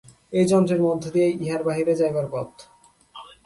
এই যন্ত্রের মধ্য দিয়াই ইহার বাহিরে যাইবার পথ।